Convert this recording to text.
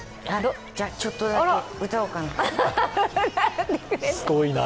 じゃ、ちょっとだけ歌おうかな。